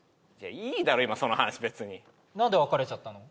いいだろ今その話別に何で別れちゃったの？